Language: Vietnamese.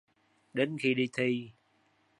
Đến khi đi thi